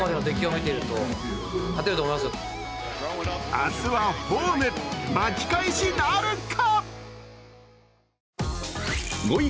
明日はホーム、巻き返しなるか。